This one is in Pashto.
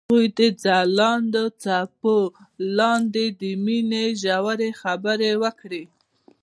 هغوی د ځلانده څپو لاندې د مینې ژورې خبرې وکړې.